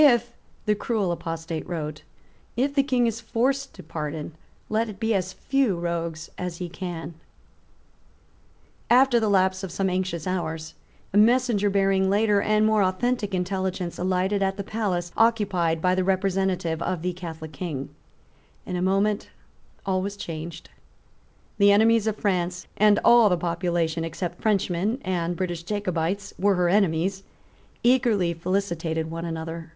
"If," the cruel apostate wrote, "if the King is forced to pardon, let it be as few rogues as he can." After the lapse of some anxious hours, a messenger bearing later and more authentic intelligence alighted at the palace occupied by the representative of the Catholic King. In a moment all was changed. The enemies of France, and all the population, except Frenchmen and British Jacobites, were her enemies, eagerly felicitated one another.